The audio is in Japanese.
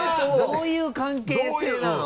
どういう関係性なの？